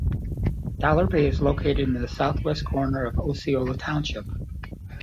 Dollar Bay is located in the southwest corner of Osceola Township.